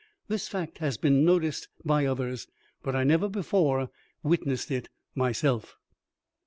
This fact has been noticed by others, but I never before witnessed it myself.